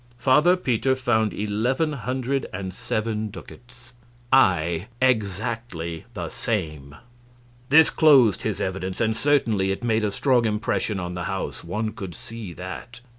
Father Peter found eleven hundred and seven ducats I exactly the same. This closed his evidence, and certainly it made a strong impression on the house; one could see that.